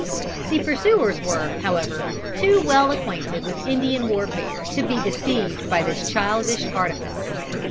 The pursuers were, however, too well acquainted with Indian warfare to be deceived by this childish artifice.